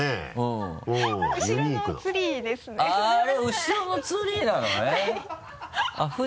後ろのツリーですね